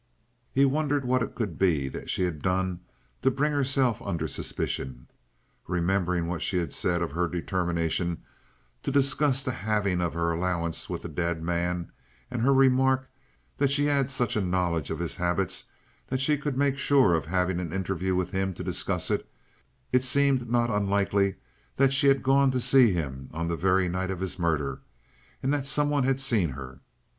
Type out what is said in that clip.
He wondered what it could be that she had done to bring herself under suspicion. Remembering what she had said of her determination to discuss the halving of her allowance with the dead man, and her remark that she had such a knowledge of his habits that she could make sure of having an interview with him to discuss it, it seemed not unlikely that she had gone to see him on the very night of his murder, and that some one had seen her.